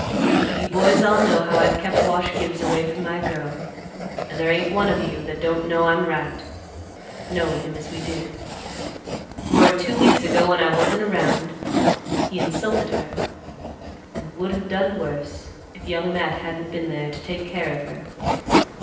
You boys all know how I've kept Wash Gibbs away from my girl, and there ain't one of you that don't know I'm right, knowin' him as we do. More'n two weeks ago, when I wasn't around, he insulted her, and would have done worse, if Young Matt hadn't been there to take care of her.